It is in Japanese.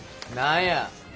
何や。